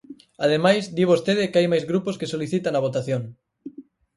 Ademais di vostede que hai máis grupos que solicitan a votación.